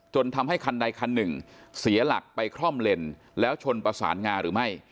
ทำให้คันใดคันหนึ่งเสียหลักไปคล่อมเลนแล้วชนประสานงาหรือไม่